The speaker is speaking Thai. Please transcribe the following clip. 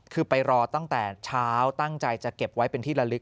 คือไปรอตั้งแต่เช้าตั้งใจจะเก็บไว้เป็นที่ละลึก